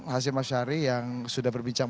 hashif masyari yang sudah berbincang